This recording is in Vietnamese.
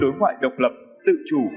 đối ngoại độc lập tự chủ